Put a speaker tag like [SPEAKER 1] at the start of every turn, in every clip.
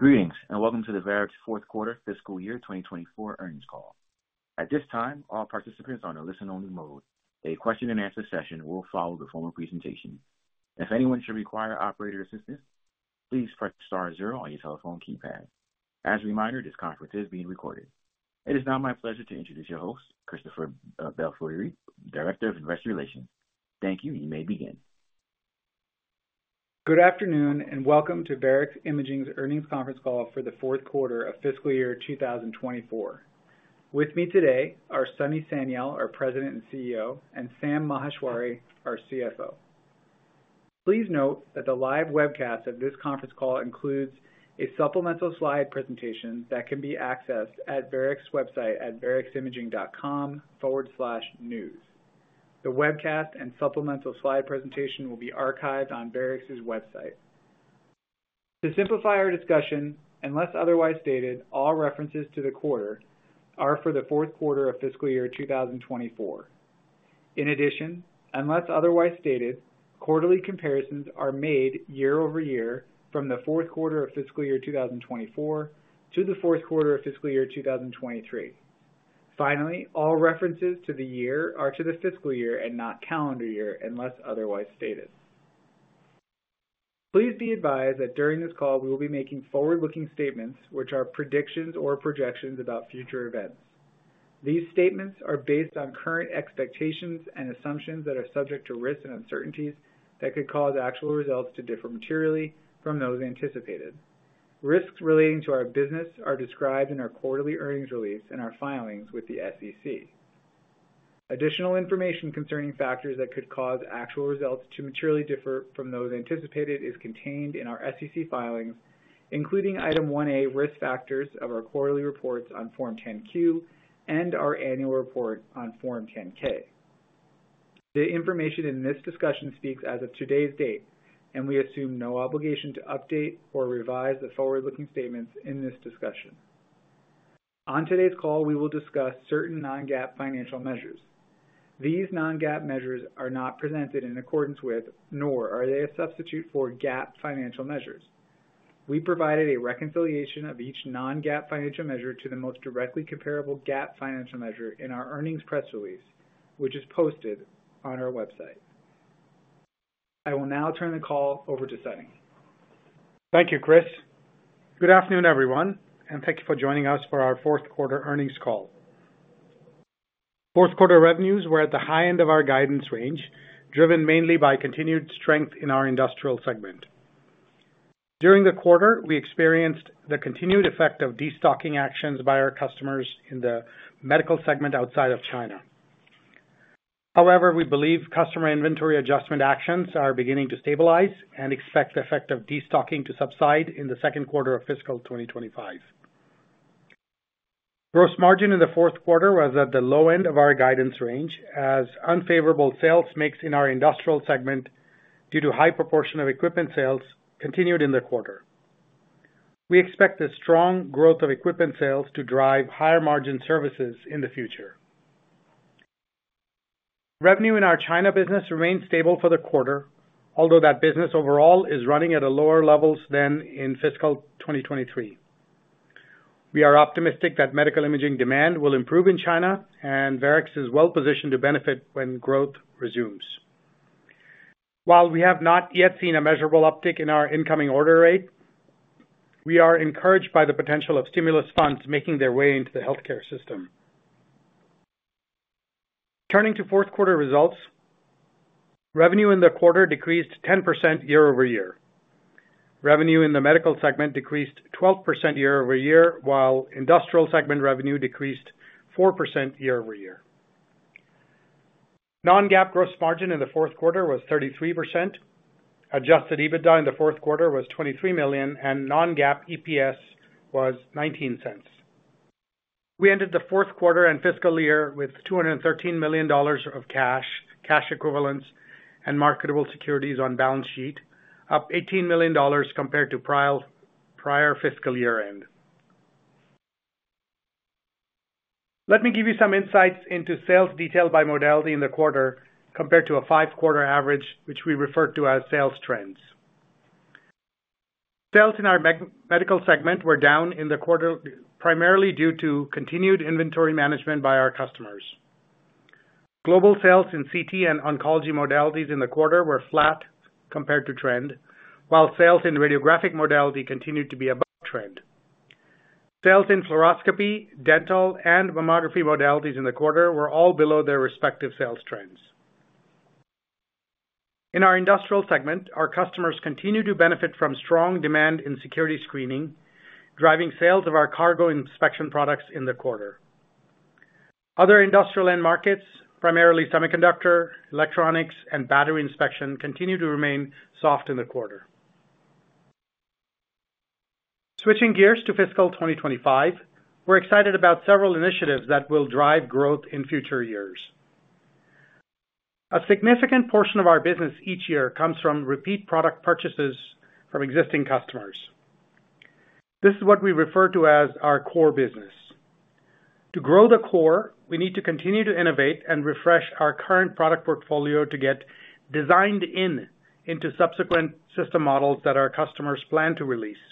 [SPEAKER 1] Greetings and welcome to the Varex Q4 fiscal year 2024 earnings call. At this time, all participants are in a listen-only mode. A question-and-answer session will follow the formal presentation. If anyone should require operator assistance, please press star zero on your telephone keypad. As a reminder, this conference is being recorded. It is now my pleasure to introduce your host, Christopher Belfiore, Director of Investor Relations. Thank you, you may begin.
[SPEAKER 2] Good afternoon and welcome to Varex Imaging's earnings conference call for the Q4 of fiscal year 2024. With me today are Sunny Sanyal, our President and CEO, and Sam Maheshwari, our CFO. Please note that the live webcast of this conference call includes a supplemental slide presentation that can be accessed at Varex's website at vareximaging.com/news. The webcast and supplemental slide presentation will be archived on Varex's website. To simplify our discussion, unless otherwise stated, all references to the quarter are for the Q4 of fiscal year 2024. In addition, unless otherwise stated, quarterly comparisons are made year-over-year from the Q4 of fiscal year 2024 to the Q4 of fiscal year 2023. Finally, all references to the year are to the fiscal year and not calendar year unless otherwise stated. Please be advised that during this call, we will be making forward-looking statements which are predictions or projections about future events. These statements are based on current expectations and assumptions that are subject to risks and uncertainties that could cause actual results to differ materially from those anticipated. Risks relating to our business are described in our quarterly earnings release and our filings with the SEC. Additional information concerning factors that could cause actual results to materially differ from those anticipated is contained in our SEC filings, including Item 1A Risk Factors of our quarterly reports on Form 10-Q and our annual report on Form 10-K. The information in this discussion speaks as of today's date, and we assume no obligation to update or revise the forward-looking statements in this discussion. On today's call, we will discuss certain non-GAAP financial measures. These non-GAAP measures are not presented in accordance with, nor are they a substitute for GAAP financial measures. We provided a reconciliation of each non-GAAP financial measure to the most directly comparable GAAP financial measure in our earnings press release, which is posted on our website. I will now turn the call over to Sunny.
[SPEAKER 3] Thank you, Chris. Good afternoon, everyone, and thank you for joining us for our Q4 earnings call. Q4 revenues were at the high end of our guidance range, driven mainly by continued strength in our industrial segment. During the quarter, we experienced the continued effect of destocking actions by our customers in the medical segment outside of China. However, we believe customer inventory adjustment actions are beginning to stabilize and expect the effect of destocking to subside in the Q2 of fiscal 2025. Gross margin in the Q4 was at the low end of our guidance range, as unfavorable sales mix in our industrial segment due to high proportion of equipment sales continued in the quarter. We expect the strong growth of equipment sales to drive higher margin services in the future. Revenue in our China business remained stable for the quarter, although that business overall is running at a lower level than in fiscal 2023. We are optimistic that medical imaging demand will improve in China, and Varex is well positioned to benefit when growth resumes. While we have not yet seen a measurable uptick in our incoming order rate, we are encouraged by the potential of stimulus funds making their way into the healthcare system. Turning to Q4 results, revenue in the quarter decreased 10% year-over-year. Revenue in the medical segment decreased 12% year-over-year, while industrial segment revenue decreased 4% year-over-year. Non-GAAP gross margin in the Q4 was 33%. Adjusted EBITDA in the Q4 was $23 million, and non-GAAP EPS was $0.19. We ended the Q4 and fiscal year with $213 million of cash, cash equivalents, and marketable securities [inaudible] to sales detailed by modality in the quarter compared to a five-quarter average, which we refer to as sales trends. Sales in our medical segment were down in the quarter primarily due to continued inventory management by our customers. Global sales in CT and Oncology modalities in the quarter were flat compared to trend, while sales in Radiographic modality continued to be above trend. Sales in Fluoroscopy, Dental, and Mammography modalities in the quarter were all below their respective sales trends. In our industrial segment, our customers continue to benefit from strong demand in security screening, driving sales of our cargo inspection products in the quarter. Other industrial end markets, primarily semiconductor, electronics, and battery inspection, continue to remain soft in the quarter. Switching gears to fiscal 2025, we're excited about several initiatives that will drive growth in future years. A significant portion of our business each year comes from repeat product purchases from existing customers. This is what we refer to as our core business. To grow the core, we need to continue to innovate and refresh our current product portfolio to get designed into subsequent system models that our customers plan to release.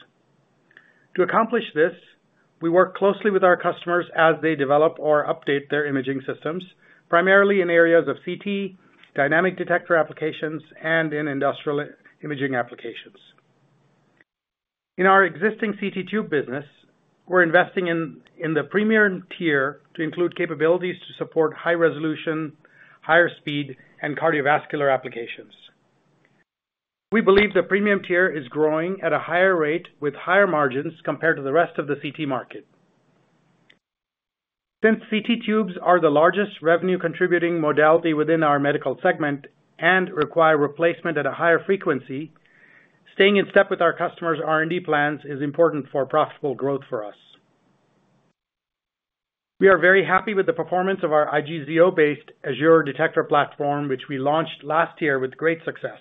[SPEAKER 3] To accomplish this, we work closely with our customers as they develop or update their imaging systems, primarily in areas of CT, dynamic detector applications, and in industrial imaging applications. In our existing CT Tube business, we're investing in the premium tier to include capabilities to support high resolution, higher speed, and cardiovascular applications. We believe the premium tier is growing at a higher rate with higher margins compared to the rest of the CT market. Since CT Tubes are the largest revenue-contributing modality within our medical segment and require replacement at a higher frequency, staying in step with our customers' R&D plans is important for profitable growth for us. We are very happy with the performance of our IGZO-based Azure detector platform, which we launched last year with great success.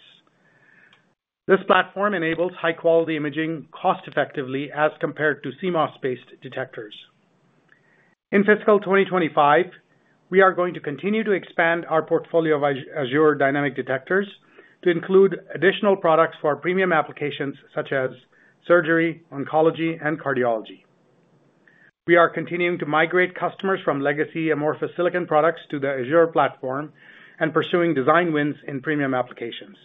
[SPEAKER 3] This platform enables high-quality imaging cost-effectively as compared to CMOS-based detectors. In fiscal 2025, we are going to continue to expand our portfolio of Azure dynamic detectors to include additional products for premium applications such as surgery, oncology, and cardiology. We are continuing to migrate customers from legacy amorphous silicon products to the Azure platform and pursuing design wins in premium applications.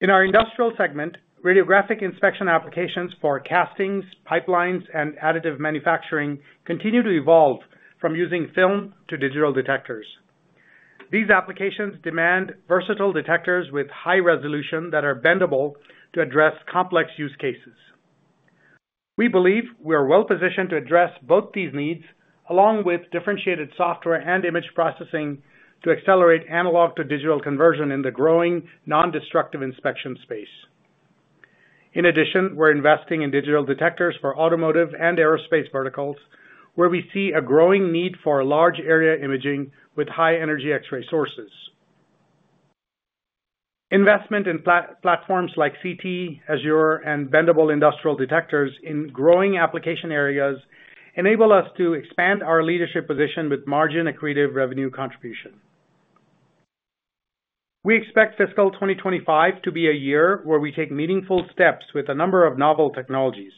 [SPEAKER 3] In our industrial segment, radiographic inspection applications for castings, pipelines, and additive manufacturing continue to evolve from using film to digital detectors. These applications demand versatile detectors with high resolution that are bendable to address complex use cases. We believe we are well positioned to address both these needs along with differentiated software and image processing to accelerate analog-to-digital conversion in the growing non-destructive inspection space. In addition, we're investing in digital detectors for automotive and aerospace verticals, where we see a growing need for large area imaging with high-energy X-ray sources. Investment in platforms like CT, Azure, and Bendable Industrial Detectors in growing application areas enables us to expand our leadership position with margin accretive revenue contribution. We expect fiscal 2025 to be a year where we take meaningful steps with a number of novel technologies.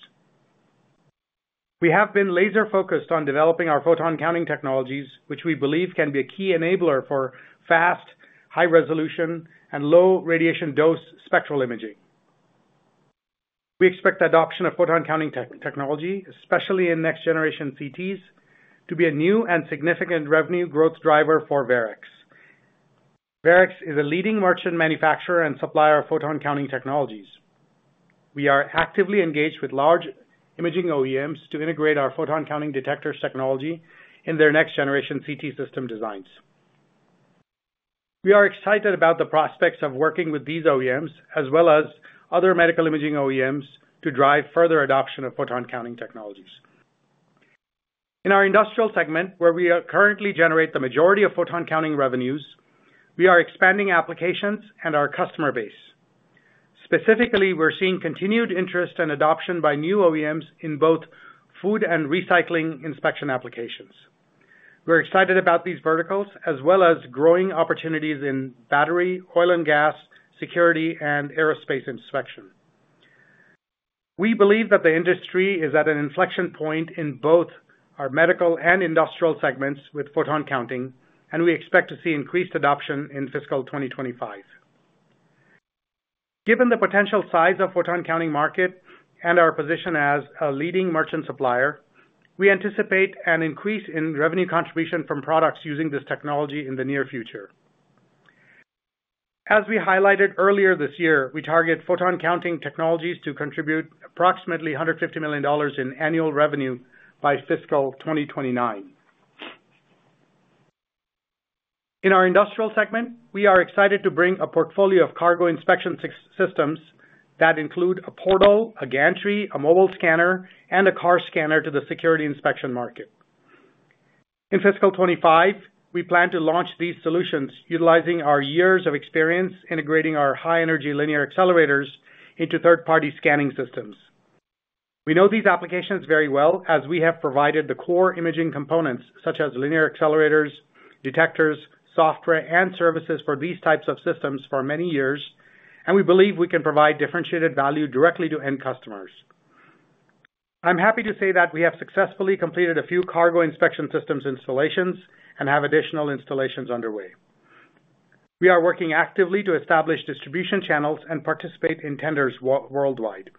[SPEAKER 3] We have been laser-focused on developing our photon counting technologies, which we believe can be a key enabler for fast, high-resolution, and low-radiation dose spectral imaging. We expect adoption of photon counting technology, especially in next-generation CTs, to be a new and significant revenue growth driver for Varex. Varex is a leading merchant manufacturer and supplier of photon counting technologies. We are actively engaged with large imaging OEMs to integrate our photon counting detectors technology in their next-generation CT system designs. We are excited about the prospects of working with these OEMs as well as other medical imaging OEMs to drive further adoption of photon counting technologies. In our industrial segment, where we currently generate the majority of photon counting revenues, we are expanding applications and our customer base. Specifically, we're seeing continued interest and adoption by new OEMs in both food and recycling inspection applications. We're excited about these verticals as well as growing opportunities in battery, oil and gas, security, and aerospace inspection. We believe that the industry is at an inflection point in both our medical and industrial segments with photon counting, and we expect to see increased adoption in fiscal 2025. Given the potential size of the photon counting market and our position as a leading merchant supplier, we anticipate an increase in revenue contribution from products using this technology in the near future. As we highlighted earlier this year, we target photon counting technologies to contribute approximately $150 million in annual revenue by fiscal 2029. In our industrial segment, we are excited to bring a portfolio of cargo inspection systems that include a portal, a gantry, a mobile scanner, and a car scanner to the security inspection market. In fiscal 2025, we plan to launch these solutions utilizing our years of experience integrating our high-energy linear accelerators into third-party scanning systems. We know these applications very well as we have provided the core imaging components such as linear accelerators, detectors, software, and services for these types of systems for many years, and we believe we can provide differentiated value directly to end customers. I'm happy to say that we have successfully completed a few cargo inspection systems installations and have additional installations underway. We are working actively to establish distribution channels and participate in tenders worldwide.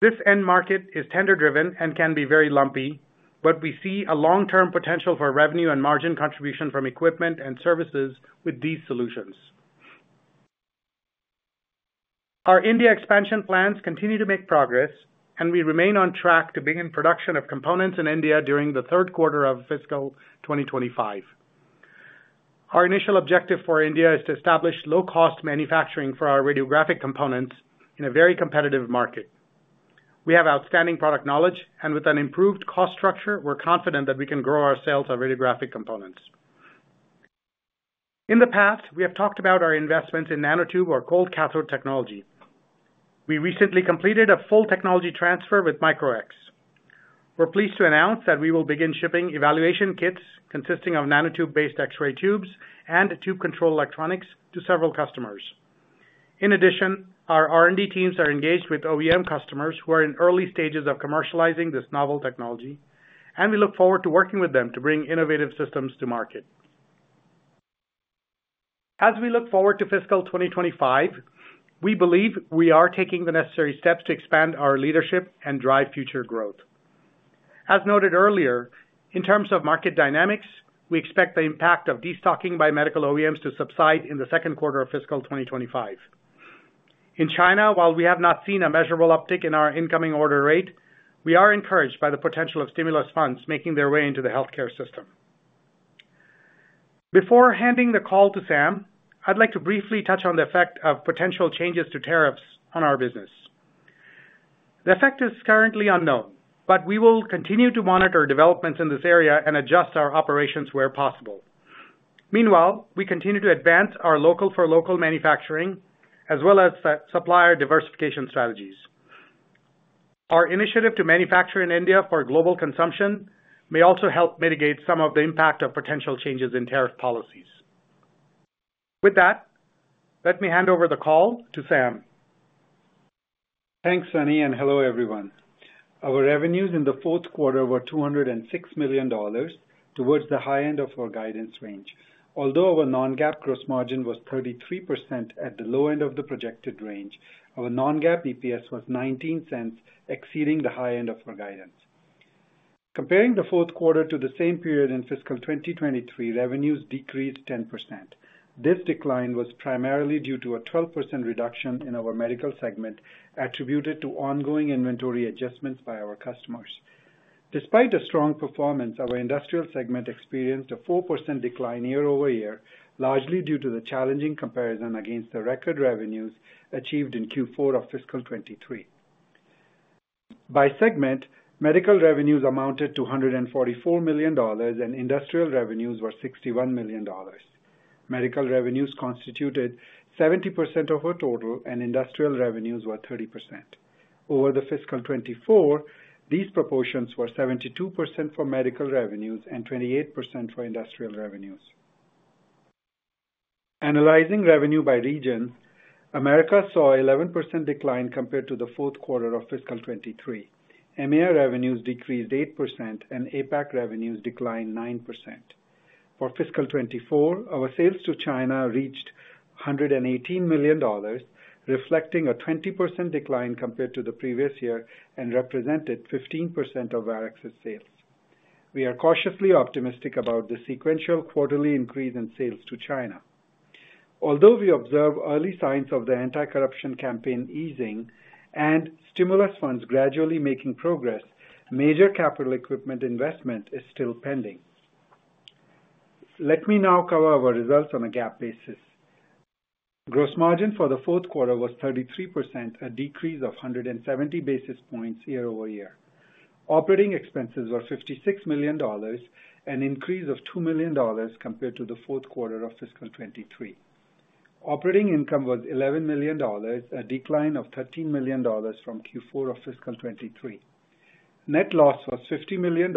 [SPEAKER 3] This end market is tender-driven and can be very lumpy, but we see a long-term potential for revenue and margin contribution from equipment and services with these solutions. Our India expansion plans continue to make progress, and we remain on track to begin production of components in India during the Q3 of fiscal 2025. Our initial objective for India is to establish low-cost manufacturing for our radiographic components in a very competitive market. We have outstanding product knowledge, and with an improved cost structure, we're confident that we can grow our sales of radiographic components. In the past, we have talked about our investments in nanotube or cold cathode technology. We recently completed a full technology transfer with Micro-X. We're pleased to announce that we will begin shipping evaluation kits consisting of nanotube-based X-ray tubes and tube control electronics to several customers. In addition, our R&D teams are engaged with OEM customers who are in early stages of commercializing this novel technology, and we look forward to working with them to bring innovative systems to market. As we look forward to fiscal 2025, we believe we are taking the necessary steps to expand our leadership and drive future growth. As noted earlier, in terms of market dynamics, we expect the impact of destocking by medical OEMs to subside in the Q2 of fiscal 2025. In China, while we have not seen a measurable uptick in our incoming order rate, we are encouraged by the potential of stimulus funds making their way into the healthcare system. Before handing the call to Sam, I'd like to briefly touch on the effect of potential changes to tariffs on our business. The effect is currently unknown, but we will continue to monitor developments in this area and adjust our operations where possible. Meanwhile, we continue to advance our local-for-local manufacturing as well as supplier diversification strategies. Our initiative to manufacture in India for global consumption may also help mitigate some of the impact of potential changes in tariff policies. With that, let me hand over the call to Sam.
[SPEAKER 4] Thanks, Sunny. And hello, everyone. Our revenues in the Q4 were $206 million towards the high end of our guidance range. Although our non-GAAP gross margin was 33% at the low end of the projected range, our non-GAAP EPS was $0.19, exceeding the high end of our guidance. Comparing the Q4 to the same period in fiscal 2023, revenues decreased 10%. This decline was primarily due to a 12% reduction in our medical segment attributed to ongoing inventory adjustments by our customers. Despite a strong performance, our industrial segment experienced a 4% decline year-over-year, largely due to the challenging comparison against the record revenues achieved in Q4 of fiscal 2023. By segment, medical revenues amounted to $144 million, and industrial revenues were $61 million. Medical revenues constituted 70% of our total, and industrial revenues were 30%. Over the fiscal 2024, these proportions were 72% for medical revenues and 28% for industrial revenues. Analyzing revenue by region, America saw an 11% decline compared to the Q4 of fiscal 2023. EMEA revenues decreased 8%, and APAC revenues declined 9%. For fiscal 2024, our sales to China reached $118 million, reflecting a 20% decline compared to the previous year and represented 15% of Varex's sales. We are cautiously optimistic about the sequential quarterly increase in sales to China. Although we observe early signs of the anti-corruption campaign easing and stimulus funds gradually making progress, major capital equipment investment is still pending. Let me now cover our results on a non-GAAP basis. Gross margin for the Q4 was 33%, a decrease of 170 basis points year-over-year. Operating expenses were $56 million, an increase of $2 million compared to the Q4 of fiscal 2023. Operating income was $11 million, a decline of $13 million from Q4 of fiscal 2023. Net loss was $50 million,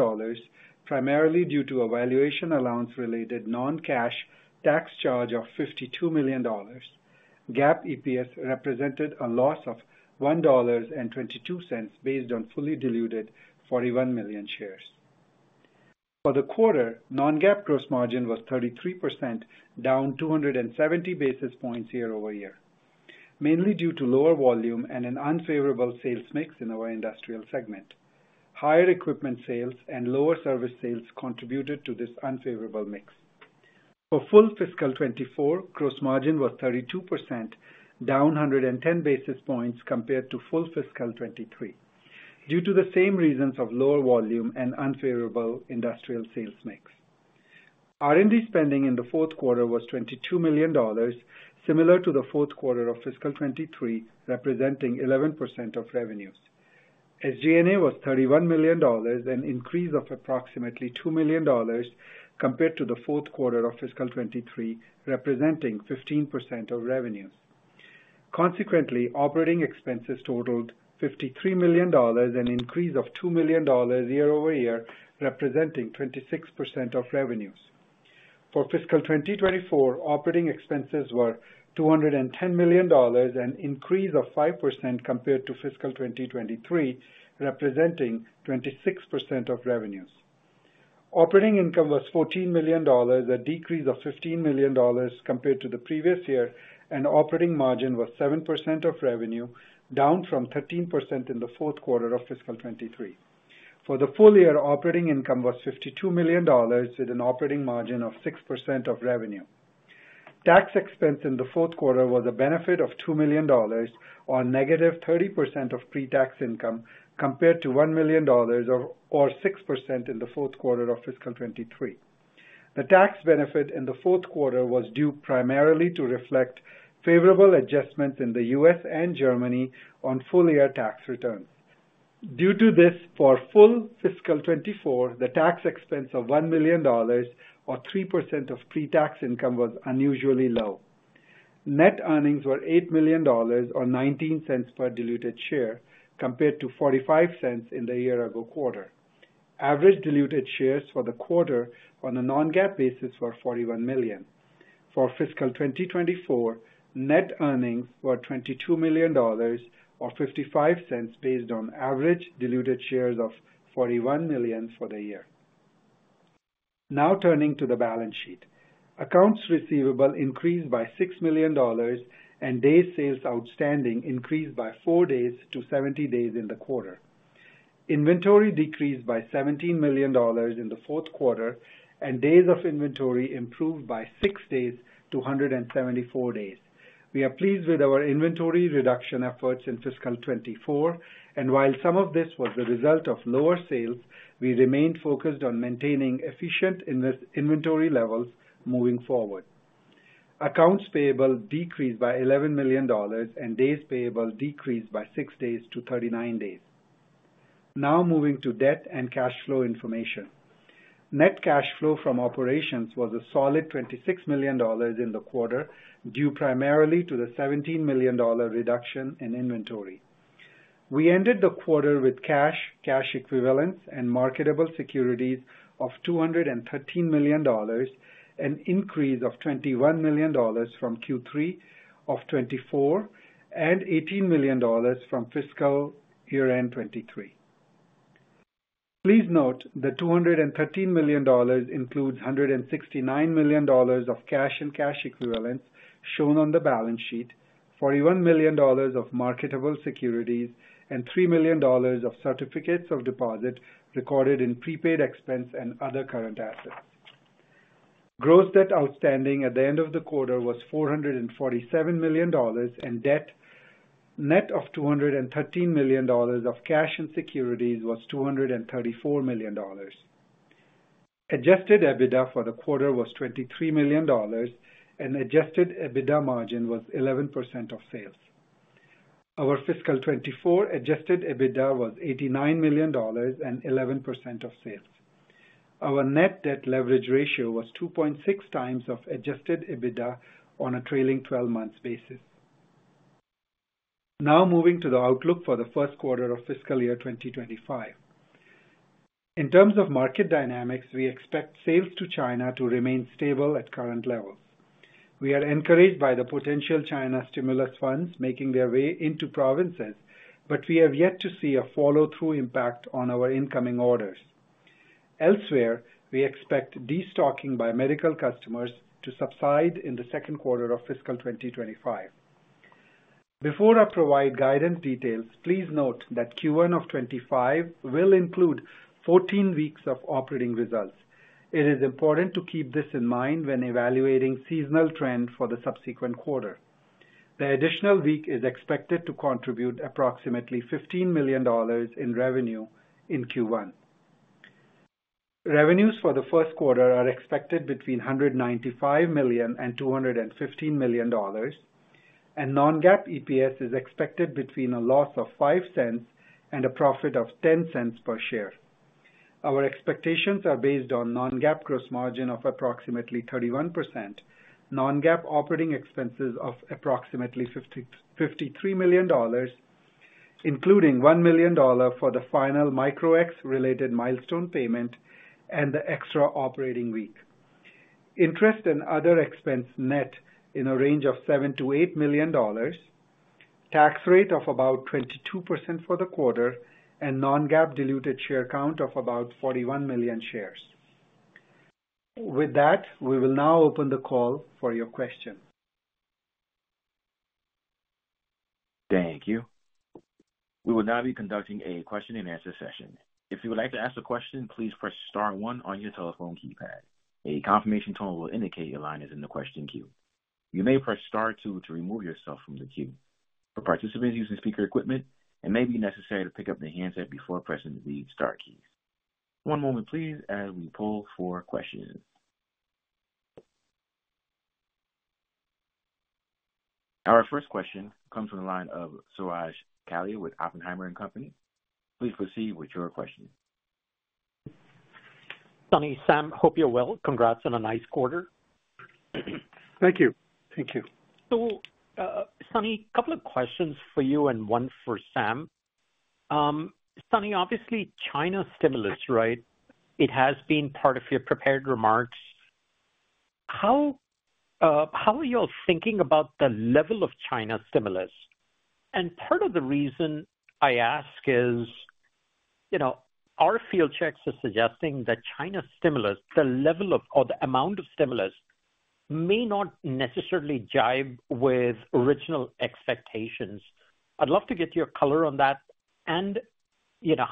[SPEAKER 4] primarily due to a valuation allowance-related non-cash tax charge of $52 million. GAAP EPS represented a loss of $1.22 based on fully diluted 41 million shares. For the quarter, non-GAAP gross margin was 33%, down 270 basis points year-over-year, mainly due to lower volume and an unfavorable sales mix in our industrial segment. Higher equipment sales and lower service sales contributed to this unfavorable mix. For full fiscal 2024, gross margin was 32%, down 110 basis points compared to full fiscal 2023, due to the same reasons of lower volume and unfavorable industrial sales mix. R&D spending in the Q4 was $22 million, similar to the Q4 of fiscal 2023, representing 11% of revenues. SG&A was $31 million, an increase of approximately $2 million compared to the Q4 of fiscal 2023, representing 15% of revenues. Consequently, operating expenses totaled $53 million, an increase of $2 million year-over-year, representing 26% of revenues. For fiscal 2024, operating expenses were $210 million, an increase of 5% compared to fiscal 2023, representing 26% of revenues. Operating income was $14 million, a decrease of $15 million compared to the previous year, and operating margin was 7% of revenue, down from 13% in the Q4 of fiscal 2023. For the full year, operating income was $52 million, with an operating margin of 6% of revenue. Tax expense in the Q4 was a benefit of $2 million or -30% of pre-tax income compared to $1 million or 6% in the Q4 of fiscal 2023. The tax benefit in the Q4 was due primarily to reflect favorable adjustments in the U.S. and Germany on full year tax returns. Due to this, for full fiscal 2024, the tax expense of $1 million or 3% of pre-tax income was unusually low. Net earnings were $8 million or $0.19 per diluted share compared to $0.45 in the year-ago quarter. Average diluted shares for the quarter on a non-GAAP basis were 41 million. For fiscal 2024, net earnings were $22 million or $0.55 based on average diluted shares of 41 million for the year. Now turning to the balance sheet, accounts receivable increased by $6 million and days sales outstanding increased by 4 days to 70 days in the quarter. Inventory decreased by $17 million in the Q4 and days of inventory improved by 6 days to 174 days. We are pleased with our inventory reduction efforts in fiscal 2024, and while some of this was the result of lower sales, we remained focused on maintaining efficient inventory levels moving forward. Accounts payable decreased by $11 million and days payable decreased by 6 days to 39 days. Now moving to debt and cash flow information. Net cash flow from operations was a solid $26 million in the quarter due primarily to the $17 million reduction in inventory. We ended the quarter with cash, cash equivalents, and marketable securities of $213 million, an increase of $21 million from Q3 of 2024 and $18 million from fiscal year-end 2023. Please note the $213 million includes $169 million of cash and cash equivalents shown on the balance sheet, $41 million of marketable securities, and $3 million of certificates of deposit recorded in prepaid expense and other current assets. Gross debt outstanding at the end of the quarter was $447 million, and net of $213 million of cash and securities was $234 million. Adjusted EBITDA for the quarter was $23 million, and adjusted EBITDA margin was 11% of sales. Our fiscal 2024 adjusted EBITDA was $89 million and 11% of sales. Our net debt leverage ratio was 2.6 times of adjusted EBITDA on a trailing 12-month basis. Now moving to the outlook for the Q1 of fiscal year 2025. In terms of market dynamics, we expect sales to China to remain stable at current levels. We are encouraged by the potential China stimulus funds making their way into provinces, but we have yet to see a follow-through impact on our incoming orders. Elsewhere, we expect destocking by medical customers to subside in the Q2 of fiscal 2025. Before I provide guidance details, please note that Q1 of 2025 will include 14 weeks of operating results. It is important to keep this in mind when evaluating seasonal trend for the subsequent quarter. The additional week is expected to contribute approximately $15 million in revenue in Q1. Revenues for the Q1 are expected between $195 million and $215 million, and non-GAAP EPS is expected between a loss of $0.05 and a profit of $0.10 per share. Our expectations are based on non-GAAP gross margin of approximately 31%, non-GAAP operating expenses of approximately $53 million, including $1 million for the final Micro-X-related milestone payment and the extra operating week. Interest and other expense net in a range of $7-$8 million, tax rate of about 22% for the quarter, and non-GAAP diluted share count of about 41 million shares. With that, we will now open the call for your question.
[SPEAKER 1] Thank you. We will now be conducting a question-and-answer session. If you would like to ask a question, please press star one on your telephone keypad. A confirmation tone will indicate your line is in the question queue. You may press star two to remove yourself from the queue. For participants using speaker equipment, it may be necessary to pick up the handset before pressing the star keys. One moment, please, as we pull for questions. Our first question comes from the line of Suraj Kalia with Oppenheimer & Company. Please proceed with your question.
[SPEAKER 5] Sunny, Sam, hope you're well. Congrats on a nice quarter.
[SPEAKER 3] Thank you.
[SPEAKER 4] Thank you.
[SPEAKER 6] So, Sunny, a couple of questions for you and one for Sam. Sunny, obviously, China stimulus, right? It has been part of your prepared remarks. How are you all thinking about the level of China stimulus? And part of the reason I ask is our field checks are suggesting that China stimulus, the level of or the amount of stimulus may not necessarily jibe with original expectations. I'd love to get your color on that and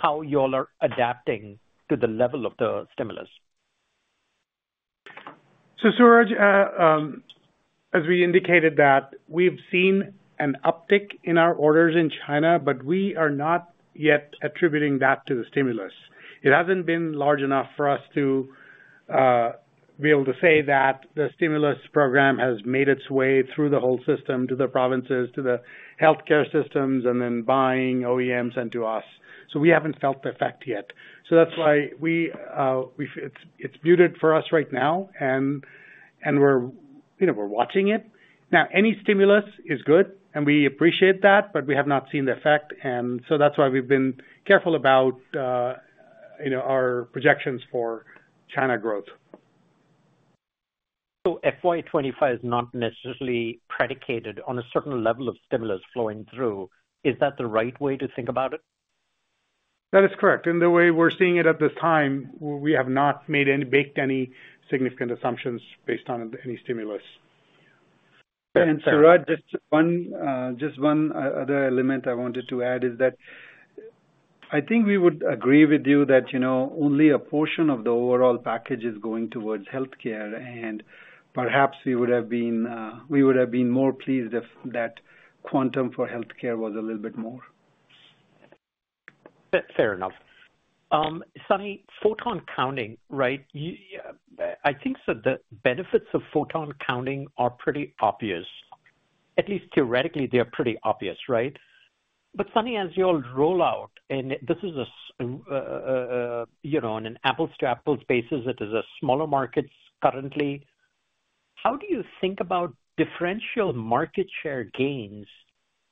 [SPEAKER 6] how you all are adapting to the level of the stimulus.
[SPEAKER 3] So, Suraj, as we indicated that we've seen an uptick in our orders in China, but we are not yet attributing that to the stimulus. It hasn't been large enough for us to be able to say that the stimulus program has made its way through the whole system, to the provinces, to the healthcare systems, and then buying OEMs and to us. So we haven't felt the effect yet. So that's why it's muted for us right now, and we're watching it. Now, any stimulus is good, and we appreciate that, but we have not seen the effect. And so that's why we've been careful about our projections for China growth.
[SPEAKER 6] So FY25 is not necessarily predicated on a certain level of stimulus flowing through. Is that the right way to think about it?
[SPEAKER 3] That is correct. And the way we're seeing it at this time, we have not baked any significant assumptions based on any stimulus.
[SPEAKER 4] And, Suraj, just one other element I wanted to add is that I think we would agree with you that only a portion of the overall package is going towards healthcare, and perhaps we would have been more pleased if that quantum for healthcare was a little bit more.
[SPEAKER 6] Fair enough. Sunny, photon counting, right? I think that the benefits of photon counting are pretty obvious. At least theoretically, they're pretty obvious, right? But, Sunny, as you all roll out, and this is in an apples-to-apples basis, it is a smaller market currently. How do you think about differential market share gains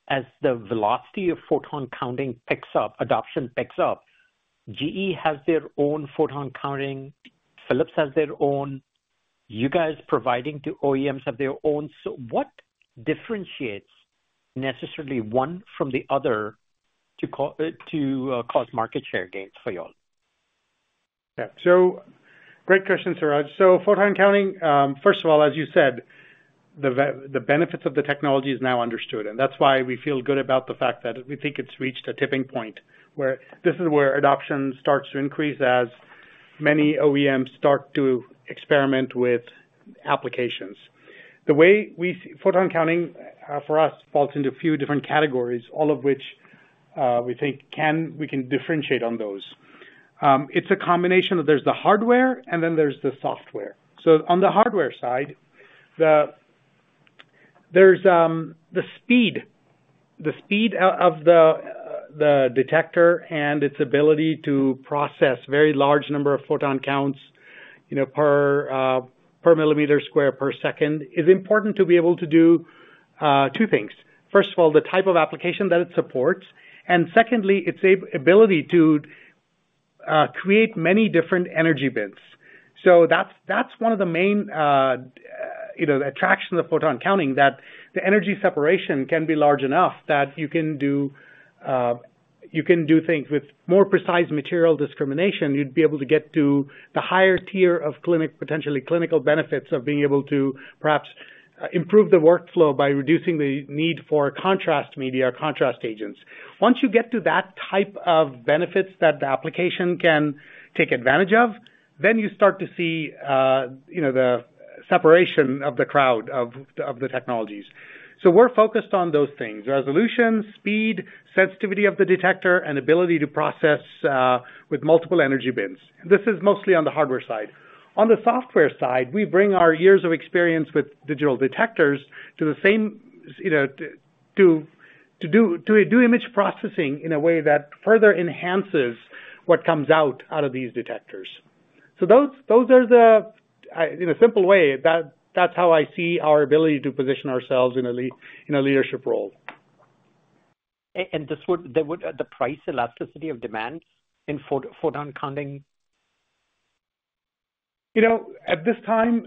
[SPEAKER 6] as the velocity of photon counting adoption picks up? GE has their own photon counting. Philips has their own. You guys providing to OEMs have their own. So what differentiates necessarily one from the other to cause market share gains for you all?
[SPEAKER 3] Yeah. So great question, Suraj. Photon counting, first of all, as you said, the benefits of the technology is now understood. That's why we feel good about the fact that we think it's reached a tipping point where adoption starts to increase as many OEMs start to experiment with applications. The way photon counting for us falls into a few different categories, all of which we think we can differentiate on those. It's a combination that there's the hardware and then there's the software. On the hardware side, there's the speed of the detector and its ability to process a very large number of photon counts per millimeter square per second. It's important to be able to do two things. First of all, the type of application that it supports. Secondly, its ability to create many different energy bins. So that's one of the main attractions of photon counting, that the energy separation can be large enough that you can do things with more precise material discrimination. You'd be able to get to the higher tier of potentially clinical benefits of being able to perhaps improve the workflow by reducing the need for contrast media or contrast agents. Once you get to that type of benefits that the application can take advantage of, then you start to see the separation of the crowd of the technologies. So we're focused on those things: resolution, speed, sensitivity of the detector, and ability to process with multiple energy bins. This is mostly on the hardware side. On the software side, we bring our years of experience with digital detectors to the same to do image processing in a way that further enhances what comes out of these detectors. So those are the, in a simple way, that's how I see our ability to position ourselves in a leadership role. And the price elasticity of demand in photon counting? At this time,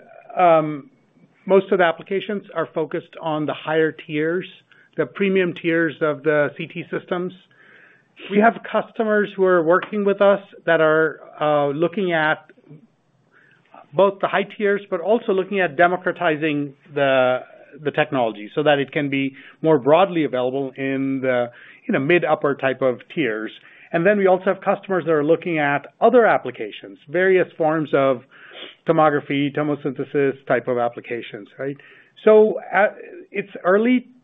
[SPEAKER 3] most of the applications are focused on the higher tiers, the premium tiers of the CT systems. We have customers who are working with us that are looking at both the high tiers, but also looking at democratizing the technology so that it can be more broadly available in the mid-upper type of tiers. And then we also have customers that are looking at other applications, various forms of tomography, tomosynthesis type of applications, right? So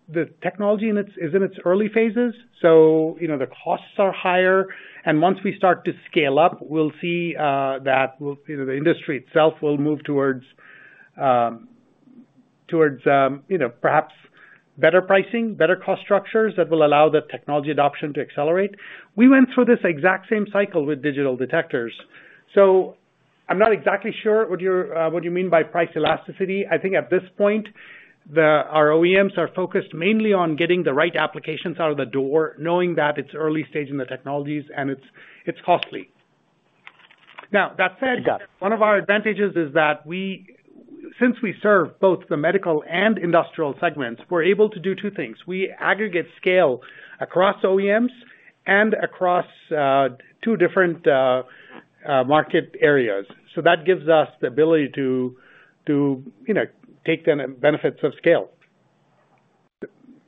[SPEAKER 3] the technology is in its early phases, so the costs are higher. And once we start to scale up, we'll see that the industry itself will move towards perhaps better pricing, better cost structures that will allow the technology adoption to accelerate. We went through this exact same cycle with digital detectors. So I'm not exactly sure what you mean by price elasticity. I think at this point, our OEMs are focused mainly on getting the right applications out of the door, knowing that it's early stage in the technologies and it's costly. Now, that said, one of our advantages is that since we serve both the medical and industrial segments, we're able to do two things. We aggregate scale across OEMs and across two different market areas. So that gives us the ability to take the benefits of scale.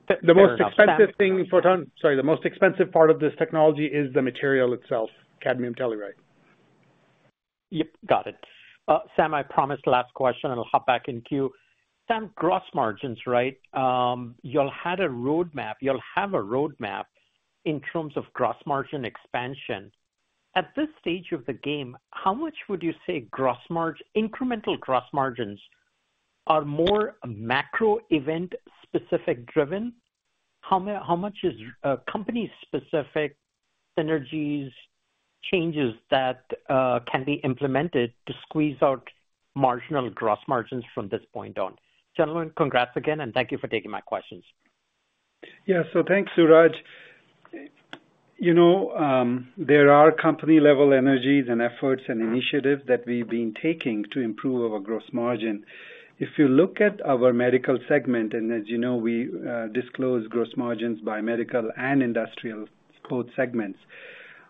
[SPEAKER 3] The most expensive thing in photon, sorry, the most expensive part of this technology is the material itself, cadmium telluride.
[SPEAKER 6] Yep. Got it. Sam, I promised last question, and I'll hop back in queue. Sam, gross margins, right? You'll have a roadmap in terms of gross margin expansion. At this stage of the game, how much would you say incremental gross margins are more macro event-specific driven? How much is company-specific synergies, changes that can be implemented to squeeze out marginal gross margins from this point on? Gentlemen, congrats again, and thank you for taking my questions.
[SPEAKER 4] Yeah. So thanks, Suraj. There are company-level synergies and efforts and initiatives that we've been taking to improve our gross margin. If you look at our medical segment, and as you know, we disclose gross margins by medical and industrial segments.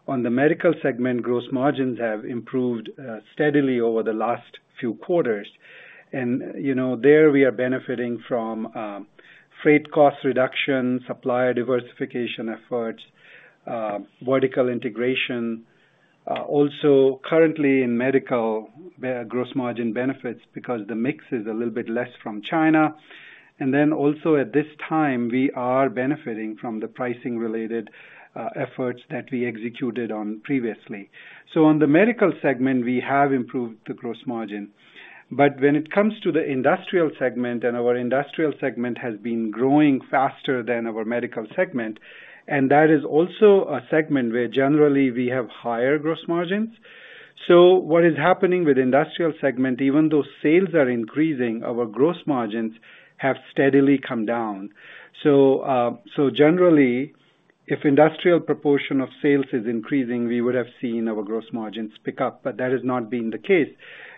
[SPEAKER 4] On the medical segment, gross margins have improved steadily over the last few quarters. There, we are benefiting from freight cost reduction, supplier diversification efforts, vertical integration. Also, currently in medical, gross margin benefits because the mix is a little bit less from China. And then also at this time, we are benefiting from the pricing-related efforts that we executed on previously. So on the medical segment, we have improved the gross margin. But when it comes to the industrial segment, and our industrial segment has been growing faster than our medical segment, and that is also a segment where generally we have higher gross margins. So what is happening with industrial segment, even though sales are increasing, our gross margins have steadily come down. So generally, if industrial proportion of sales is increasing, we would have seen our gross margins pick up, but that has not been the case.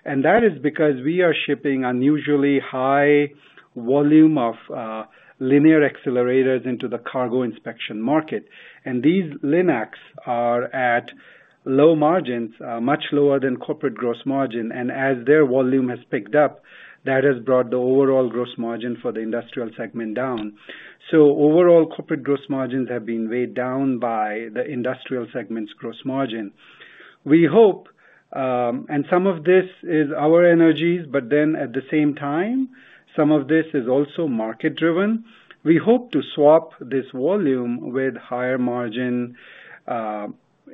[SPEAKER 4] And that is because we are shipping unusually high volume of linear accelerators into the cargo inspection market. These Linacs are at low margins, much lower than corporate gross margin. As their volume has picked up, that has brought the overall gross margin for the industrial segment down. Overall corporate gross margins have been weighed down by the industrial segment's gross margin. We hope, and some of this is our initiatives, but then at the same time, some of this is also market-driven. We hope to swap this volume with higher margin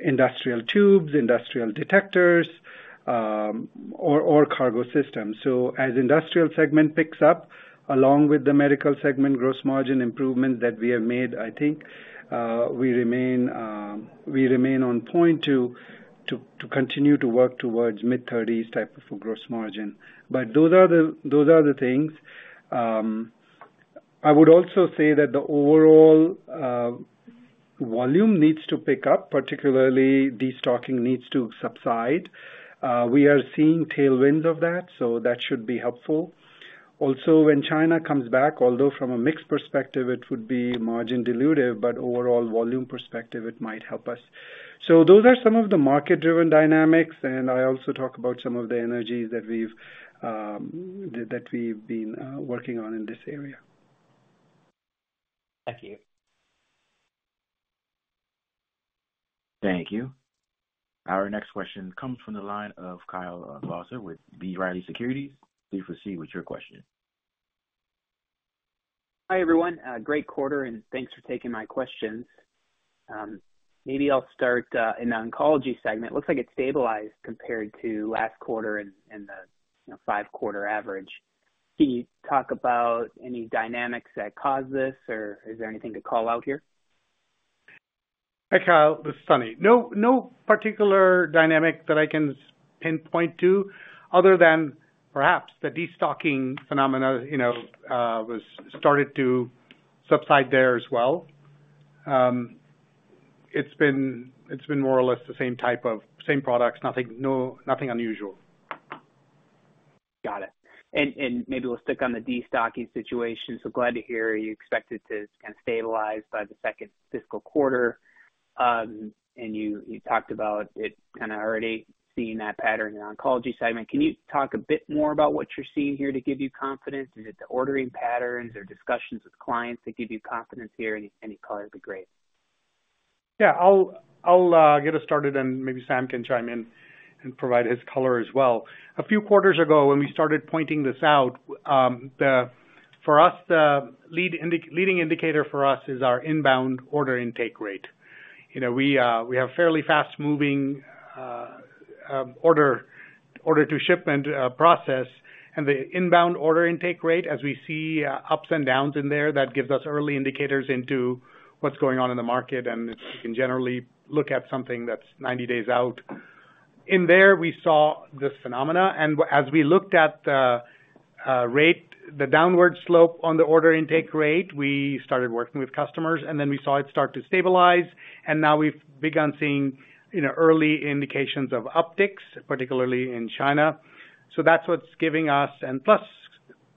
[SPEAKER 4] industrial tubes, industrial detectors, or cargo systems. As the industrial segment picks up, along with the medical segment gross margin improvements that we have made, I think we remain on point to continue to work towards mid-30s% type of gross margin. Those are the things. I would also say that the overall volume needs to pick up, particularly destocking needs to subside. We are seeing tailwinds of that, so that should be helpful. Also, when China comes back, although from a mixed perspective, it would be margin-dilutive, but overall volume perspective, it might help us. So those are some of the market-driven dynamics, and I also talk about some of the initiatives that we've been working on in this area.
[SPEAKER 6] Thank you.
[SPEAKER 1] Thank you. Our next question comes from the line of Kyle Bauser with B. Riley Securities. Please proceed with your question.
[SPEAKER 7] Hi, everyone. Great quarter, and thanks for taking my questions. Maybe I'll start in the oncology segment. It looks like it stabilized compared to last quarter and the five-quarter average. Can you talk about any dynamics that caused this, or is there anything to call out here?
[SPEAKER 3] Hi, Kyle. This is Sunny. No particular dynamic that I can pinpoint to other than perhaps the destocking phenomena was started to subside there as well. It's been more or less the same type of same products, nothing unusual.
[SPEAKER 7] Got it. And maybe we'll stick on the destocking situation. So glad to hear you expect it to kind of stabilize by the second fiscal quarter. And you talked about it kind of already seeing that pattern in the oncology segment. Can you talk a bit more about what you're seeing here to give you confidence? Is it the ordering patterns or discussions with clients that give you confidence here? Any color would be great.
[SPEAKER 3] Yeah. I'll get us started, and maybe Sam can chime in and provide his color as well. A few quarters ago, when we started pointing this out, for us, the leading indicator for us is our inbound order intake rate. We have a fairly fast-moving order-to-shipment process, and the inbound order intake rate, as we see ups and downs in there, that gives us early indicators into what's going on in the market, and if we can generally look at something that's 90 days out, in there, we saw this phenomenon, and as we looked at the downward slope on the order intake rate, we started working with customers, and then we saw it start to stabilize, and now we've begun seeing early indications of upticks, particularly in China, so that's what's giving us, and plus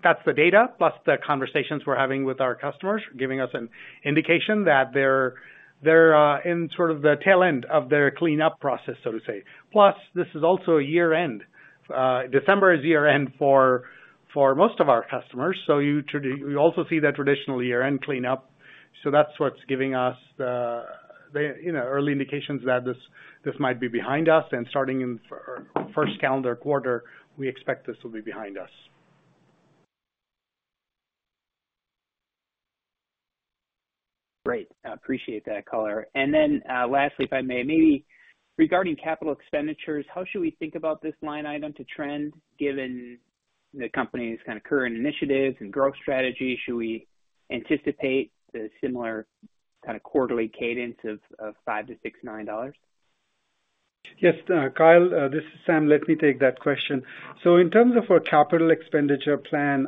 [SPEAKER 3] that's the data, plus the conversations we're having with our customers, giving us an indication that they're in sort of the tail end of their cleanup process, so to say. Plus, this is also year-end. December is year-end for most of our customers, so you also see that traditional year-end cleanup. So that's what's giving us the early indications that this might be behind us. And starting in the first calendar quarter, we expect this will be behind us.
[SPEAKER 7] Great. Appreciate that color. And then lastly, if I may, maybe regarding capital expenditures, how should we think about this line item to trend given the company's kind of current initiatives and growth strategy? Should we anticipate the similar kind of quarterly cadence of $5-$6 million?
[SPEAKER 4] Yes. Kyle, this is Sam. Let me take that question. So in terms of our capital expenditure plan,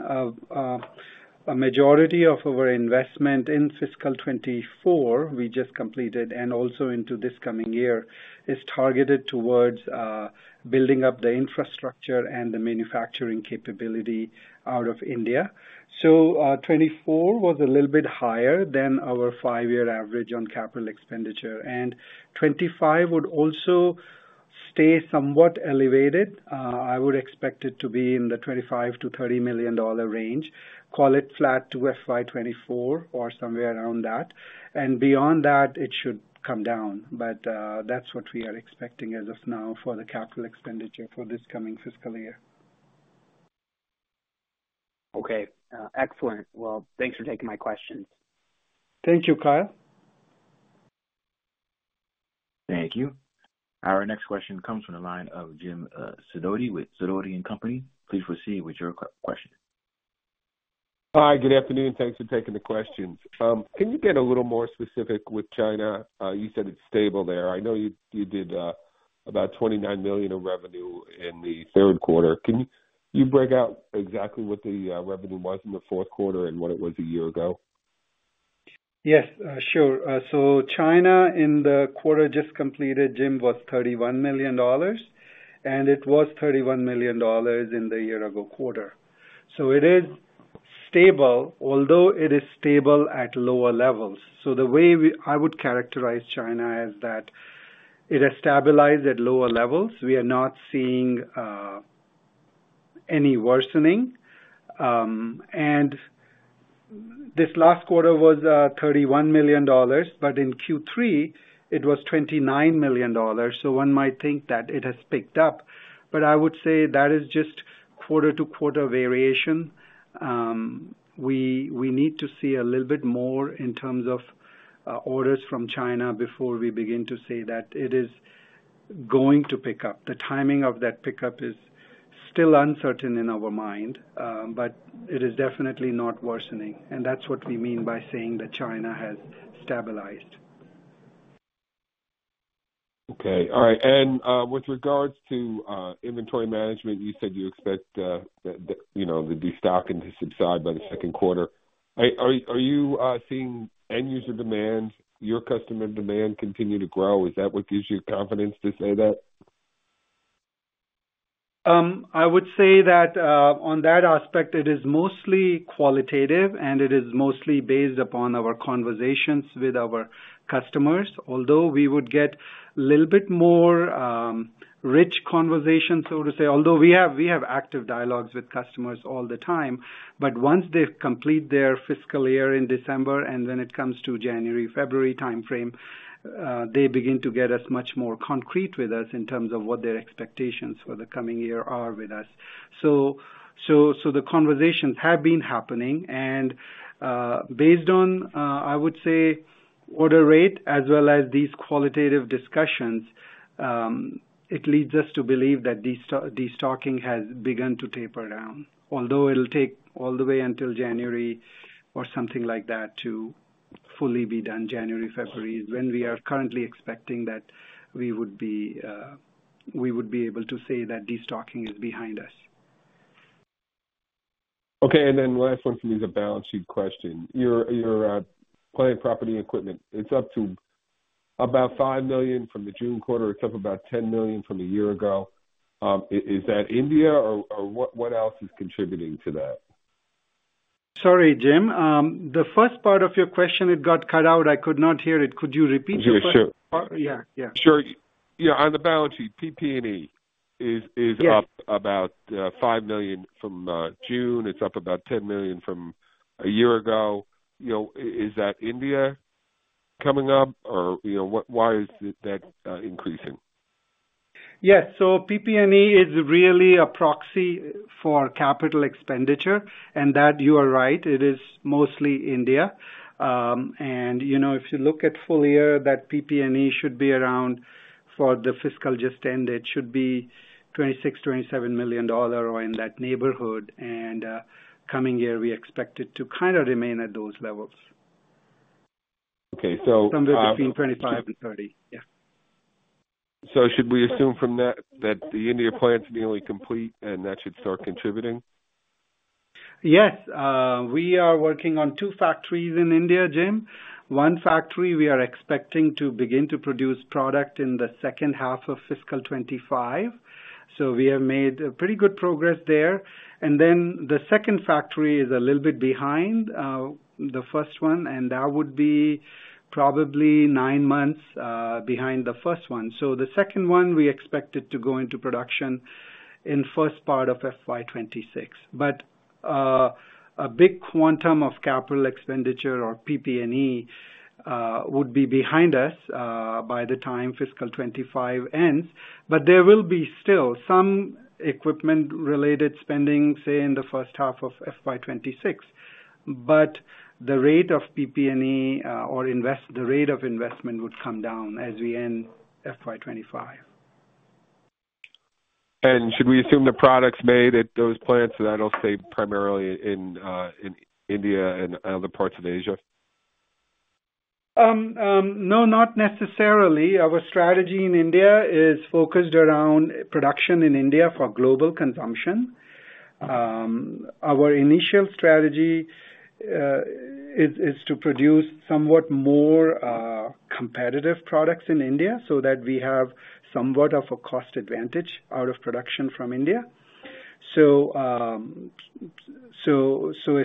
[SPEAKER 4] a majority of our investment in fiscal 2024 we just completed and also into this coming year is targeted towards building up the infrastructure and the manufacturing capability out of India. So 2024 was a little bit higher than our five-year average on capital expenditure. And 2025 would also stay somewhat elevated. I would expect it to be in the $25-$30 million range. Call it flat to FY 2024 or somewhere around that. And beyond that, it should come down. But that's what we are expecting as of now for the capital expenditure for this coming fiscal year.
[SPEAKER 7] Okay. Excellent. Well, thanks for taking my questions.
[SPEAKER 8] Thank you, Kyle.
[SPEAKER 1] Thank you. Our next question comes from the line of Jim Sidoti with Sidoti & Company. Please proceed with your question.
[SPEAKER 9] Hi. Good afternoon. Thanks for taking the questions. Can you get a little more specific with China? You said it's stable there. I know you did about $29 million in revenue in the Q3. Can you break out exactly what the revenue was in the Q4 and what it was a year ago?
[SPEAKER 4] Yes. Sure. China in the quarter just completed, Jim, was $31 million, and it was $31 million in the year-ago quarter. So it is stable, although it is stable at lower levels. So the way I would characterize China is that it has stabilized at lower levels. We are not seeing any worsening. And this last quarter was $31 million, but in Q3, it was $29 million. So one might think that it has picked up, but I would say that is just quarter-to-quarter variation. We need to see a little bit more in terms of orders from China before we begin to say that it is going to pick up. The timing of that pickup is still uncertain in our mind, but it is definitely not worsening. And that's what we mean by saying that China has stabilized.
[SPEAKER 9] Okay. All right. With regards to inventory management, you said you expect the destocking to subside by the Q2. Are you seeing end-user demand, your customer demand continue to grow? Is that what gives you confidence to say that?
[SPEAKER 4] I would say that on that aspect, it is mostly qualitative, and it is mostly based upon our conversations with our customers. Although we would get a little bit more rich conversations, so to say, although we have active dialogues with customers all the time. Once they complete their fiscal year in December, and when it comes to January, February timeframe, they begin to get us much more concrete with us in terms of what their expectations for the coming year are with us. The conversations have been happening. And based on, I would say, order rate as well as these qualitative discussions, it leads us to believe that destocking has begun to taper down. Although it'll take all the way until January or something like that to fully be done, January, February, when we are currently expecting that we would be able to say that destocking is behind us.
[SPEAKER 9] Okay. And then last one for me is a balance sheet question. Your plant, property equipment, it's up to about $5 million from the June quarter. It's up about $10 million from a year ago. Is that India, or what else is contributing to that?
[SPEAKER 4] Sorry, Jim. The first part of your question, it got cut out. I could not hear it. Could you repeat your question?
[SPEAKER 9] Yeah. Yeah. Sure. Yeah. On the balance sheet, PP&E is up about $5 million from June. It's up about $10 million from a year ago. Is that India coming up, or why is that increasing?
[SPEAKER 4] Yes. So PP&E is really a proxy for capital expenditure, and that you are right. It is mostly India. And if you look at full year, that PP&E should be around for the fiscal just end, it should be $26-$27 million or in that neighborhood. And coming year, we expect it to kind of remain at those levels. Okay. So somewhere between $25 million and $30 million.
[SPEAKER 9] Yeah. So should we assume from that that the India plant's nearly complete and that should start contributing?
[SPEAKER 4] Yes. We are working on two factories in India, Jim. One factory, we are expecting to begin to produce product in the second half of fiscal 2025. So we have made pretty good progress there. And then the second factory is a little bit behind the first one, and that would be probably nine months behind the first one. So the second one, we expect it to go into production in the first part of FY 26. But a big quantum of capital expenditure or PP&E would be behind us by the time fiscal 25 ends. But there will be still some equipment-related spending, say, in the first half of FY 26. But the rate of PP&E or the rate of investment would come down as we end FY 25.
[SPEAKER 9] And should we assume the product's made at those plants, that'll stay primarily in India and other parts of Asia?
[SPEAKER 4] No, not necessarily. Our strategy in India is focused around production in India for global consumption. Our initial strategy is to produce somewhat more competitive products in India so that we have somewhat of a cost advantage out of production from India. So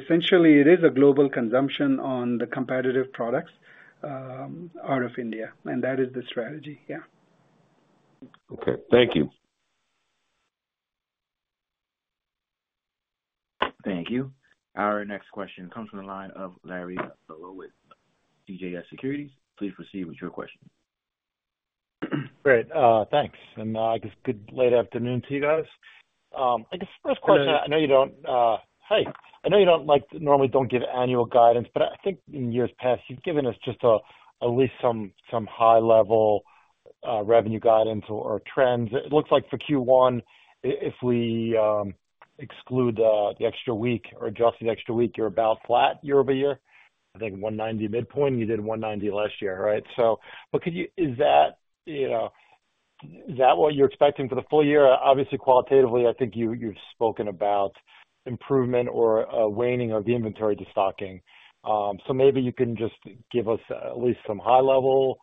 [SPEAKER 4] essentially, it is a global consumption on the competitive products out of India. And that is the strategy. Yeah.
[SPEAKER 9] Okay. Thank you.
[SPEAKER 1] Thank you. Our next question comes from the line of Larry Solow with CJS Securities. Please proceed with your question.
[SPEAKER 10] Great. Thanks, and I guess good late afternoon to you guys. I guess first question, I know you don't normally give annual guidance, but I think in years past, you've given us just at least some high-level revenue guidance or trends. It looks like for Q1, if we exclude the extra week or adjust the extra week, you're about flat year-over-year. I think $190 midpoint. You did $190 last year, right? But is that what you're expecting for the full year? Obviously, qualitatively, I think you've spoken about improvement or a waning of the inventory destocking. So maybe you can just give us at least some high-level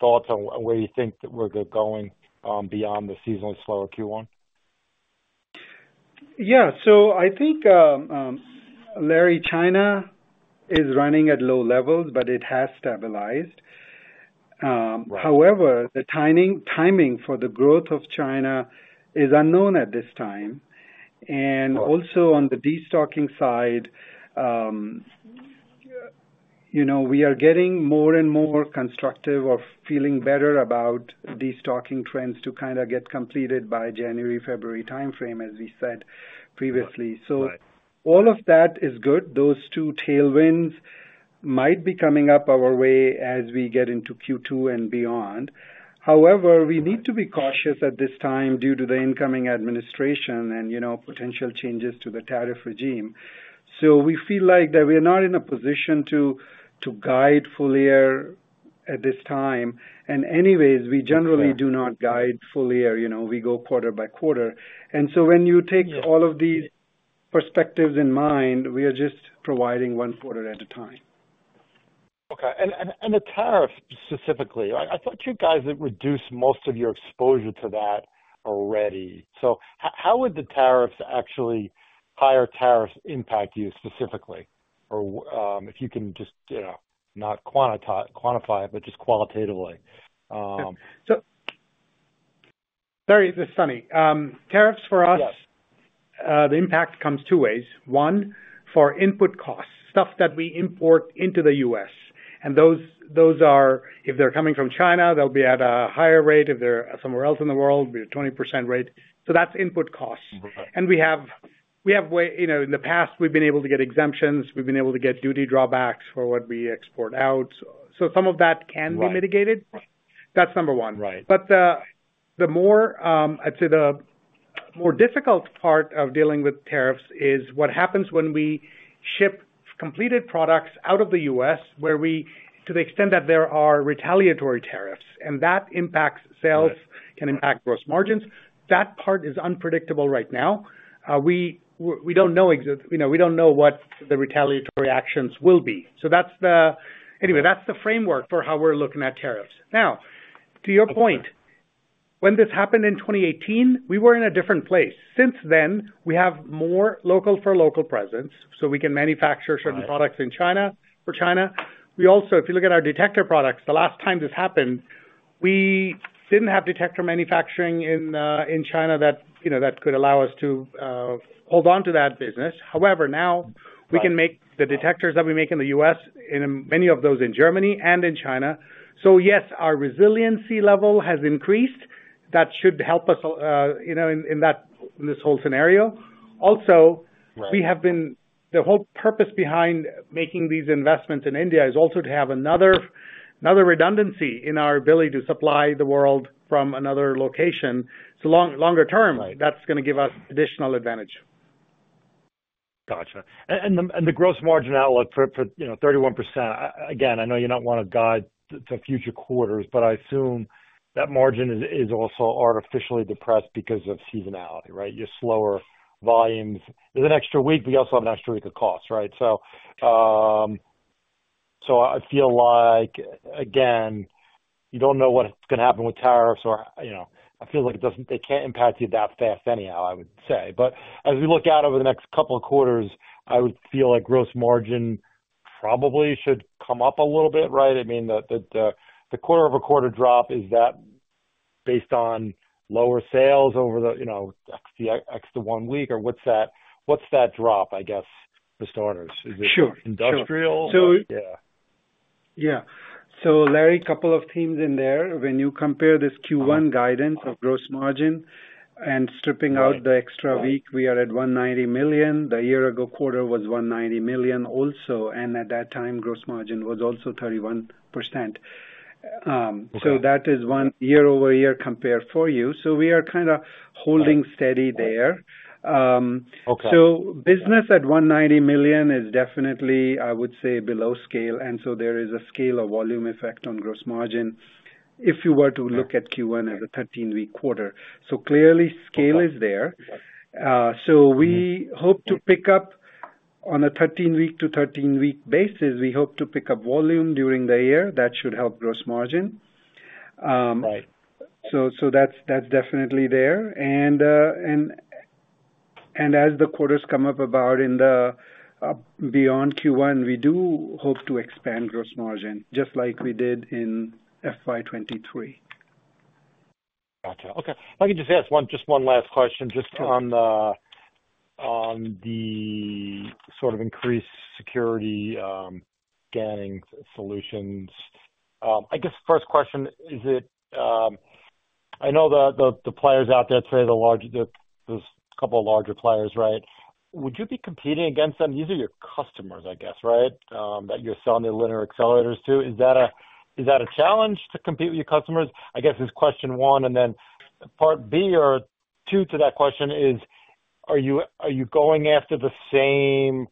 [SPEAKER 10] thoughts on where you think that we're going beyond the seasonally slower Q1.
[SPEAKER 4] Yeah. So I think, Larry, China is running at low levels, but it has stabilized. However, the timing for the growth of China is unknown at this time. And also on the destocking side, we are getting more and more constructive or feeling better about destocking trends to kind of get completed by January, February timeframe, as we said previously. So all of that is good. Those two tailwinds might be coming up our way as we get into Q2 and beyond. However, we need to be cautious at this time due to the incoming administration and potential changes to the tariff regime. So we feel like that we're not in a position to guide full year at this time. And anyways, we generally do not guide full year. We go quarter by quarter. And so when you take all of these perspectives in mind, we are just providing one quarter at a time. Okay.
[SPEAKER 10] And the tariffs specifically, I thought you guys had reduced most of your exposure to that already. So how would the tariffs, actually higher tariffs, impact you specifically? Or if you can just not quantify it, but just qualitatively.
[SPEAKER 3] Larry, this is Sunny. Tariffs for us, the impact comes two ways. One, for input costs, stuff that we import into the U.S. And those are, if they're coming from China, they'll be at a higher rate. If they're somewhere else in the world, it'd be a 20% rate. So that's input costs, and we have way in the past, we've been able to get exemptions. We've been able to get duty drawbacks for what we export out. So some of that can be mitigated. That's number one, but the more, I'd say, the more difficult part of dealing with tariffs is what happens when we ship completed products out of the U.S., where to the extent that there are retaliatory tariffs, and that impacts sales, can impact gross margins, that part is unpredictable right now. We don't know exactly. We don't know what the retaliatory actions will be, so anyway, that's the framework for how we're looking at tariffs. Now, to your point, when this happened in 2018, we were in a different place. Since then, we have more local-for-local presence, so we can manufacture certain products for China. We also, if you look at our detector products, the last time this happened, we didn't have detector manufacturing in China that could allow us to hold on to that business. However, now we can make the detectors that we make in the U.S., and many of those in Germany and in China. So yes, our resiliency level has increased. That should help us in this whole scenario. Also, the whole purpose behind making these investments in India is also to have another redundancy in our ability to supply the world from another location. So longer term, that's going to give us additional advantage.
[SPEAKER 10] Gotcha. The gross margin outlook for 31%, again, I know you don't want to guide to future quarters, but I assume that margin is also artificially depressed because of seasonality, right? You have slower volumes. There's an extra week. We also have an extra week of costs, right? So I feel like, again, you don't know what's going to happen with tariffs. I feel like they can't impact you that fast anyhow, I would say. But as we look out over the next couple of quarters, I would feel like gross margin probably should come up a little bit, right? I mean, the quarter-over-quarter drop, is that based on lower sales over the extra one week or what's that drop, I guess, for starters? Is it industrial?
[SPEAKER 4] Yeah. Yeah. Larry, a couple of themes in there. When you compare this Q1 guidance of gross margin and stripping out the extra week, we are at $190 million. The year-ago quarter was $190 million also. And at that time, gross margin was also 31%. So that is one year-over-year compare for you. So we are kind of holding steady there. So business at $190 million is definitely, I would say, below scale. And so there is a scale of volume effect on gross margin if you were to look at Q1 as a 13-week quarter. So clearly, scale is there. So we hope to pick up on a 13-week to 13-week basis. We hope to pick up volume during the year. That should help gross margin. So that's definitely there. And as the quarters come up about in the beyond Q1, we do hope to expand gross margin just like we did in FY 2023.
[SPEAKER 10] Gotcha. Okay. I can just ask one last question on the sort of increased security scanning solutions. I guess first question, is it? I know the players out there today, there's a couple of larger players, right? Would you be competing against them? These are your customers, I guess, right, that you're selling the linear accelerators to. Is that a challenge to compete with your customers? I guess it's question one. And then part B or two to that question is, are you going after the same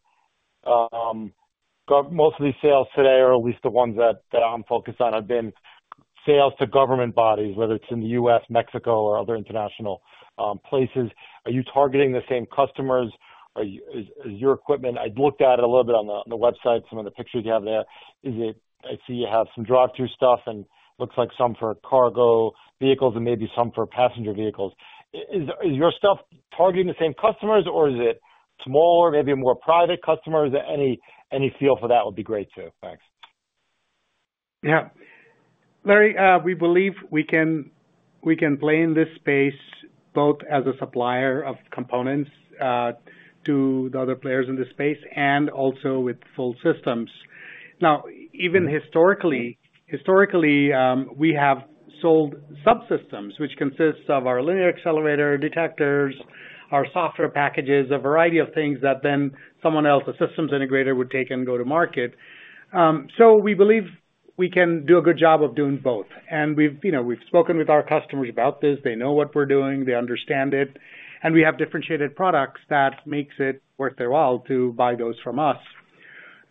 [SPEAKER 10] mostly sales today or at least the ones that I'm focused on have been sales to government bodies, whether it's in the U.S., Mexico, or other international places? Are you targeting the same customers? Is your equipment? I looked at it a little bit on the website, some of the pictures you have there. I see you have some drive-through stuff and looks like some for cargo vehicles and maybe some for passenger vehicles. Is your stuff targeting the same customers, or is it smaller, maybe more private customers? Any feel for that would be great too. Thanks.
[SPEAKER 3] Yeah. Larry, we believe we can play in this space both as a supplier of components to the other players in this space and also with full systems. Now, even historically, we have sold subsystems, which consists of our linear accelerator detectors, our software packages, a variety of things that then someone else, a systems integrator, would take and go to market. So we believe we can do a good job of doing both. And we've spoken with our customers about this. They know what we're doing. They understand it. And we have differentiated products that makes it worth their while to buy those from us.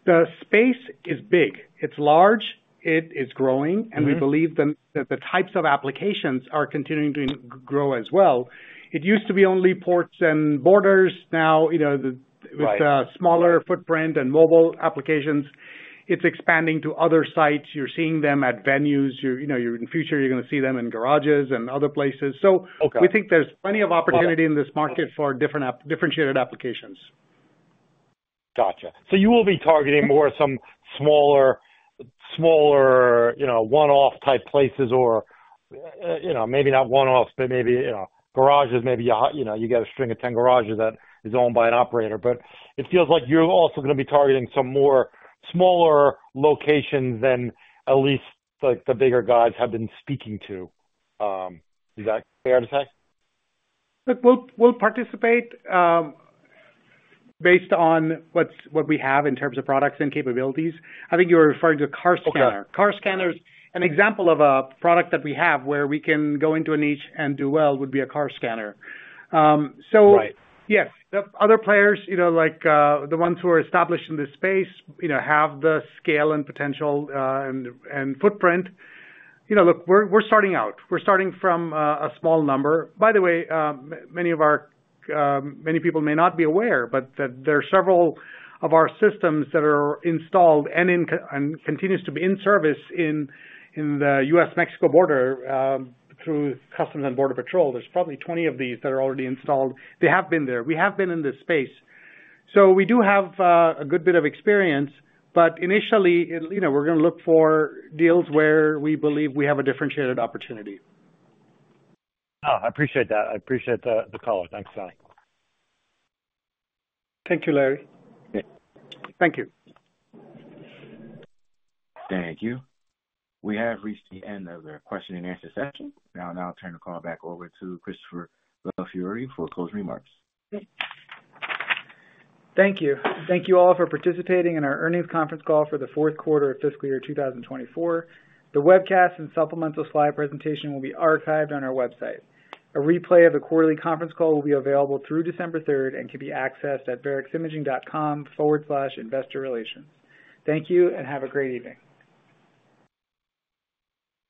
[SPEAKER 3] The space is big. It's large. It is growing, and we believe that the types of applications are continuing to grow as well. It used to be only ports and borders. Now, with smaller footprint and mobile applications, it's expanding to other sites. You're seeing them at venues. In the future, you're going to see them in garages and other places. So we think there's plenty of opportunity in this market for differentiated applications.
[SPEAKER 10] Gotcha. So you will be targeting more some smaller one-off type places or maybe not one-offs, but maybe garages. Maybe you got a string of 10 garages that is owned by an operator. But it feels like you're also going to be targeting some more smaller locations than at least the bigger guys have been speaking to. Is that fair to say?
[SPEAKER 3] We'll participate based on what we have in terms of products and capabilities. I think you were referring to car scanner. Car scanner is an example of a product that we have where we can go into a niche and do well, would be a car scanner. So yes, other players like the ones who are established in this space have the scale and potential and footprint. Look, we're starting out. We're starting from a small number. By the way, many people may not be aware, but there are several of our systems that are installed and continue to be in service in the U.S.-Mexico border through Customs and Border Patrol. There's probably 20 of these that are already installed. They have been there. We have been in this space. So we do have a good bit of experience. But initially, we're going to look for deals where we believe we have a differentiated opportunity.
[SPEAKER 10] I appreciate that. I appreciate the color. Thanks, Sunny
[SPEAKER 3] Thank you, Larry.
[SPEAKER 4] Thank you.
[SPEAKER 1] Thank you. We have reached the end of the question and answer session. Now I'll turn the call back over to Christopher Belfiore for closing remarks.
[SPEAKER 2] Thank you. Thank you all for participating in our earnings conference call for the Q4 of fiscal year 2024. The webcast and supplemental slide presentation will be archived on our website. A replay of the quarterly conference call will be available through December 3rd and can be accessed at vareximaging.com/investorrelations. Thank you and have a great evening.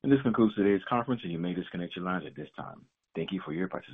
[SPEAKER 2] And this concludes today's conference, and you may disconnect your lines at this time. Thank you for your participation.